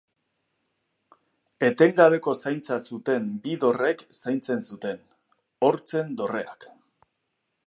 Etengabeko zaintza zuten bi dorrek zaintzen zuten: Hortzen Dorreak.